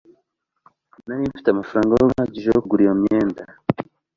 Nari mfite amafaranga ahagije yo kugura iyo myenda